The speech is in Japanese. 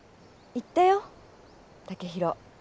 行ったよ剛洋。